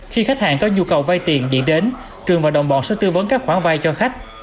khi khách hàng có nhu cầu vay tiền điện đến trường và đồng bọn sẽ tư vấn các khoản vay cho khách